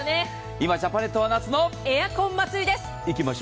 今、ジャパネットは夏のエアコン祭りです。